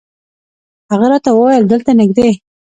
هغه راته وویل دلته نږدې.